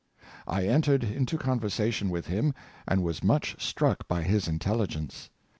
I entered into conversation with him, and was much struck by his intelligence.